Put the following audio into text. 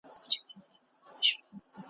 مځکه ډکه له رمو سوه د پسونو `